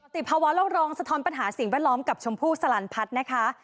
ภาวะโลกร้องสะท้อนปัญหาสิ่งแวดล้อมกับชมพู่สลันพัฒน์นะคะ